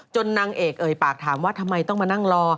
นางเอกเอ่ยปากถามว่าทำไมต้องมานั่งรอ